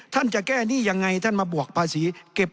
ท่านจะแก้หนี้ยังไงมาบวกภาษี